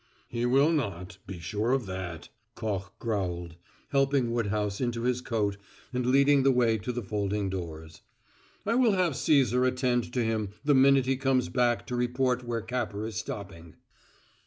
"He will not; be sure of that," Koch growled, helping Woodhouse into his coat and leading the way to the folding doors. "I will have Cæsar attend to him the minute he comes back to report where Capper is stopping."